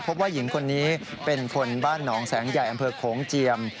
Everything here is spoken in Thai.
พบว่าหญิงคนนี้เป็นคนบ้านหนองแสงใหญ่อำเภอโขงเจียม